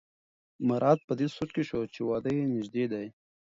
مراد په دې سوچ کې شو چې واده یې نژدې دی.